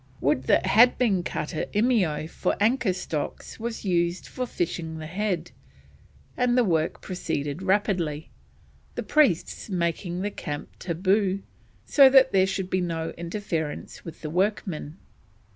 Wood that had been cut at Eimeo for anchor stocks was used for fishing the head, and the work proceeded rapidly: the priests making the camp tabu, so that there should be no interference with the workmen.